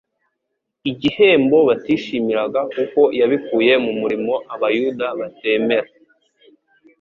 igihembo batishimiraga kuko yabikuye mu murimo abayuda batemera,